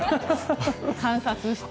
観察して。